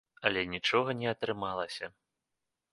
Але нічога не атрымалася.